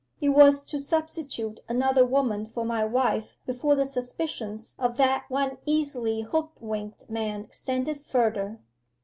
It was to substitute another woman for my wife before the suspicions of that one easily hoodwinked man extended further.